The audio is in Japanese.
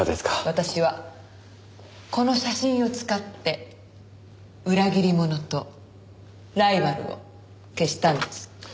私はこの写真を使って裏切り者とライバルを消したんです。